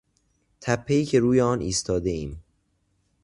تپهای که روی آن ایستادهایم.